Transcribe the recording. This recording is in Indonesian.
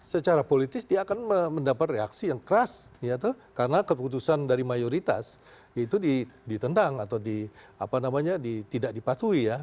secara politis dia akan mendapat reaksi yang keras karena keputusan dari mayoritas itu ditendang atau tidak dipatuhi ya